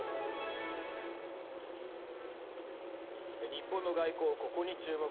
日本の外交、ここに注目。